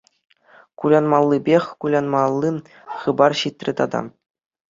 Кулянмаллипех кулянмалли хыпар ҫитрӗ тата.